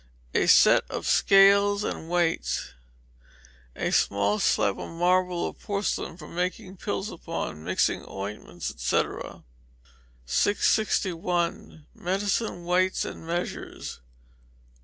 A set of scales and weights. A small slab of marble, or porcelain, for making pills upon, mixing ointments, &c. 661. Medicine Weights and Measures.